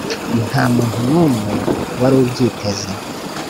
nta muntu n'umwe wari ubyiteze.